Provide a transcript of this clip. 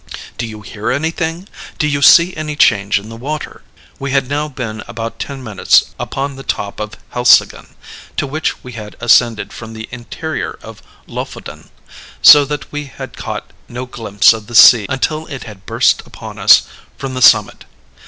Do you hear anything? Do you see any change in the water?" We had now been about ten minutes upon the top of Helseggen to which we had ascended from the interior of Lofoden, so that we had caught no glimpse of the sea until it had burst upon us from the summit.